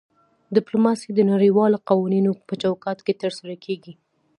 ډیپلوماسي د نړیوالو قوانینو په چوکاټ کې ترسره کیږي